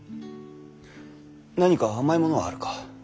何か甘いものはあるか？